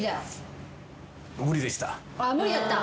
無理だった？